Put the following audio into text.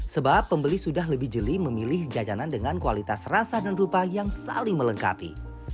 sebab pembeli sudah lebih jeli memilih jajanan dengan kualitas rasa dan rupa yang saling melengkapi